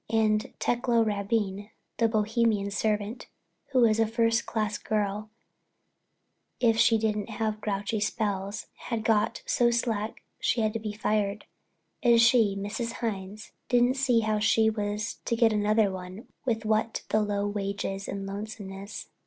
And Tecla Rabine, the Bohemian servant, who was a first class girl, if she did have grouchy spells, had got so slack she'd have to be fired, and she, Mrs. Hines, didn't see how she was to get another one what with the low wages and the lonesomeness.